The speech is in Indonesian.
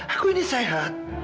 aku ini sehat